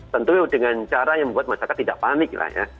tentu dengan cara yang membuat masyarakat tidak panik lah ya